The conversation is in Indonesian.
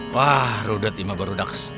wah rudet imabarudaks